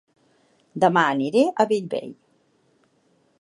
Dema aniré a Bellvei